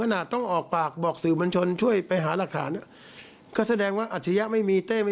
บางคนก็อะไรต่ออะไรมันดูไม่น่าเชื่อถือนะ